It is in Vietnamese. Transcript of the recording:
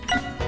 là hạn chế